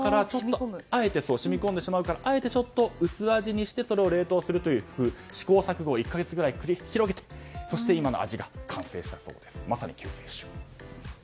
染み込んでしまうからあえて薄味にしてそれを冷凍するという試行錯誤を１か月ぐらい繰り広げてそして今の味が完成したそうです。